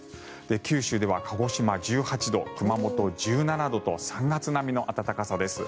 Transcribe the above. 九州では鹿児島１８度、熊本１７度と３月並みの暖かさです。